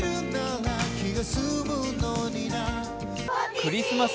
クリスマス